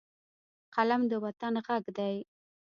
قلم د وطن غږ دی